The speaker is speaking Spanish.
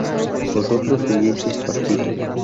vosotros hubieseis partido